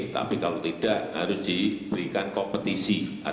tapi kalau tidak harus diberikan kompetisi